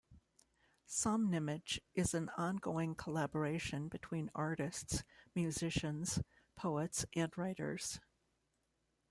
Somnimage is an ongoing collaboration between artists, musicians, poets and writers.